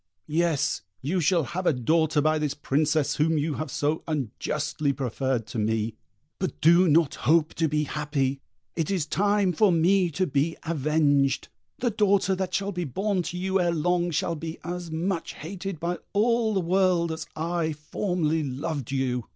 Yes, you shall have a daughter by this Princess whom you have so unjustly preferred to me, but do not hope to be happy: it is time for me to be avenged. The daughter that shall be born to you ere long shall be as much hated by all the world as I formerly loved you!"